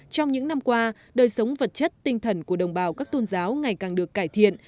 trong những năm qua đời sống vật chất tinh thần của đồng bào các tôn giáo ngày càng được cải thiện